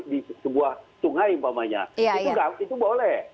di sebuah sungai umpamanya itu boleh